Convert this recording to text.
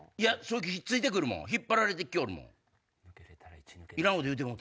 ひっついてくるもん引っ張られてきよるもん。